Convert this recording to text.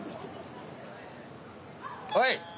はい。